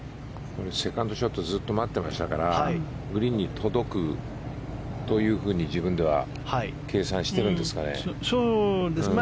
セカンドショットずっと待ってましたからグリーンに届くというふうに自分では計算してるんですかね。